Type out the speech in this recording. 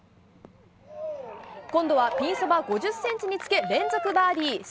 今度はピンそば５０ｃｍにつけ連続バーディー。